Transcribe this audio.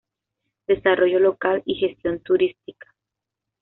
Desarrollo local y gestión turística.